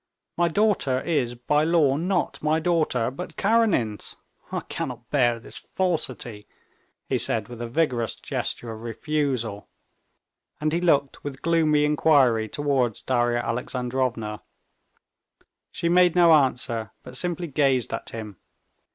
My daughter is by law not my daughter, but Karenin's. I cannot bear this falsity!" he said, with a vigorous gesture of refusal, and he looked with gloomy inquiry towards Darya Alexandrovna. She made no answer, but simply gazed at him.